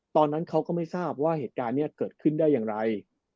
ตอนนั้นเขาก็ไม่ทราบว่าเหตุการณ์นี้เกิดขึ้นได้อย่างไร